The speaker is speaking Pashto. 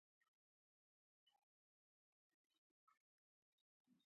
کله چې به راپاڅېدې نو یو ډول عجیب احساس به وو.